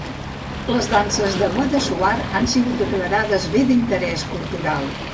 Les danses de Guadassuar han sigut declarades Bé d'interès cultural.